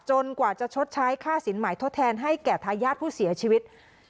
กว่าจะชดใช้ค่าสินใหม่ทดแทนให้แก่ทายาทผู้เสียชีวิต